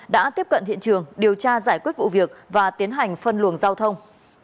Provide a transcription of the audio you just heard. đã tiếp cận hiện trường điều tra giải quyết vụ việc và tiến hành phân luồng giao thông